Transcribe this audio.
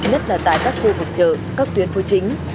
nhất là tại các khu vực chợ các tuyến phố chính